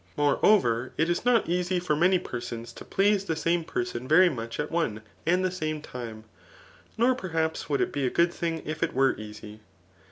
Moreover, it is not easy for many persons to please the same person very much at one and the same time^ nor perhaps would it be a good thing if it were easy.